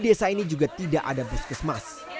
di desa ini juga tidak ada bus kusmas